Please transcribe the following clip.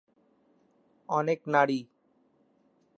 অনেক নারী।